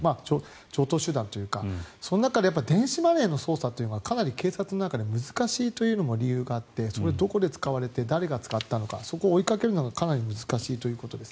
常とう手段というかその中で電子マネーの捜査というのはかなり警察の中で難しいというのも理由があってどこで使われて誰が使ったのかそこを追いかけるのがかなり難しいということです。